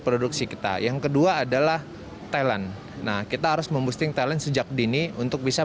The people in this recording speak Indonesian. produksi kita yang kedua adalah talent nah kita harus memboosting talent sejak dini untuk bisa